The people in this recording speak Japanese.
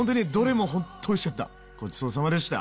ごちそうさまでした！